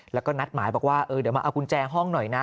แล้วก็นัดหมายบอกว่าเดี๋ยวมาเอากุญแจห้องหน่อยนะ